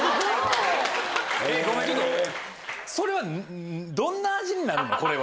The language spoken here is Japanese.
それはどんな味になるの？